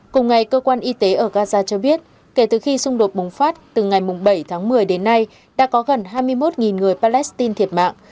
cùng ngày cơ quan y tế ở gaza cho biết kể từ khi xung đột bùng phát từ ngày bảy tháng một mươi đến nay đã có gần hai mươi một người palestine thiệt mạng